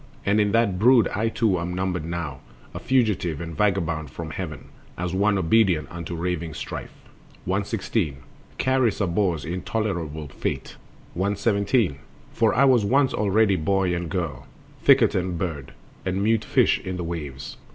And in that brood I too am numbered now, A fugitive and vagabond from heaven, As one obedient unto raving Strife. 116. Charis abhors intolerable Fate. 117. For I was once already boy and girl, Thicket and bird, and mute fish in the waves.